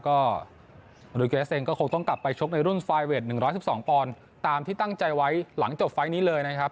ก็ก็คงต้องกลับไปชกในรุ่นไฟเวท๑๑๒ตามที่ตั้งใจไว้หลังจบไฟนี้เลยนะครับ